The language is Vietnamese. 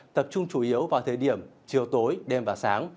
tập trung chủ yếu vào thời điểm chiều tối đêm và sáng